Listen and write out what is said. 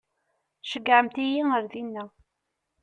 Ceyyɛemt-iyi ar dina.